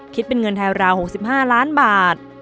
คิดเป็นเงินไทยราว๖๕ล้านบาท